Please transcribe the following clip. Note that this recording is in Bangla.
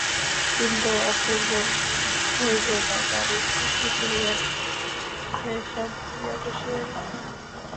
কিন্তু অপূর্বর ঘুম হইল না, বালিশ উঁচু করিয়া ঠেসান দিয়া বসিয়া রহিল।